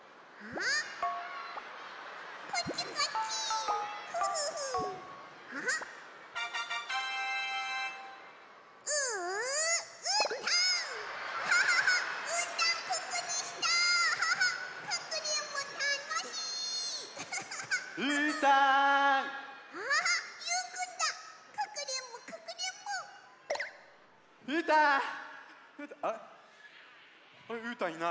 あれうーたんいない。